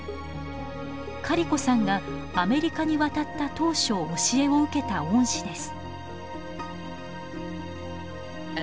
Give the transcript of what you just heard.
カリコさんがアメリカに渡った当初教えを受けた恩師です。